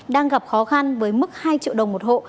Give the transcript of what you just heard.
đang gặp khó khăn với mức hai triệu đồng một hộ